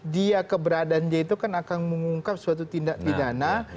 dia keberadaannya itu kan akan mengungkap suatu tindak pidana